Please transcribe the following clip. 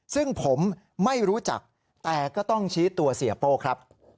ซึ่งผมไม่รู้จักแต่ก็ต้องชี้ตัวเสียโป้ครับ